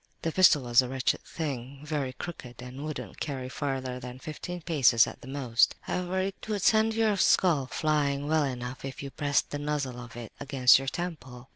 "The pistol was a wretched thing, very crooked and wouldn't carry farther than fifteen paces at the most. However, it would send your skull flying well enough if you pressed the muzzle of it against your temple.